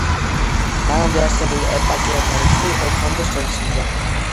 მანამდე არსებულ ეპარქიათა რიცხვი ოთხამდე შემცირდა.